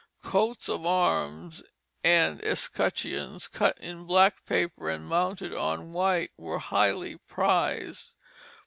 Coats of arms and escutcheons cut in black paper and mounted on white were highly prized.